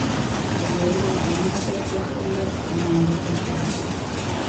di leei wahu, ka Musa tirisi lab’ nyaaŋa ka chɛ li.